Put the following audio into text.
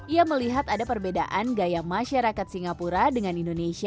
yang menarik untuk di adopsi dan dikembangkan